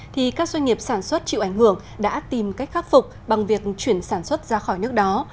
thì các doanh nghiệp sản xuất chịu ảnh hưởng đã tìm cách khắc phục bằng việc chuyển sản xuất ra khỏi nước đó